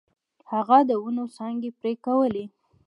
هغه د ونو څانګې پرې کولې.